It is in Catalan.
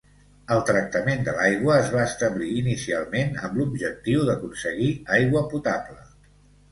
El tractament de l'aigua es va establir inicialment amb l'objectiu d'aconseguir aigua potable.